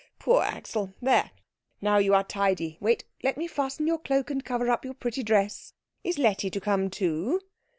Poor Axel. There now you are tidy. Wait, let me fasten your cloak and cover up your pretty dress. Is Letty to come too?"